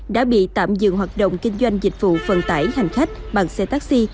đã bị tạm dừng hoạt động kinh doanh dịch vụ phần tải hành khách bằng xe taxi